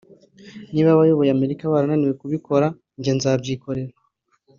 niba abayoboye Amerika bararaniwe kubikora njye nzabyikorera